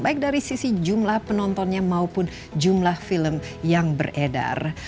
baik dari sisi jumlah penontonnya maupun jumlah film yang beredar